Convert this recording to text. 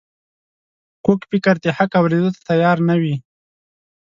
کوږ فکر د حق اورېدو ته تیار نه وي